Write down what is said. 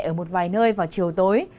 ở một vài nơi vào chiều tối